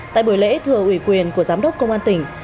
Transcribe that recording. tại buổi lễ thừa ủy quyền của giám đốc công an tỉnh